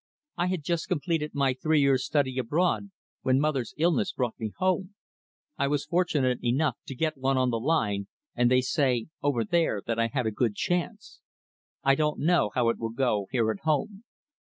"I had just completed my three years study abroad when mother's illness brought me home. I was fortunate enough to get one on the line, and they say over there that I had a good chance. I don't know how it will go here at home."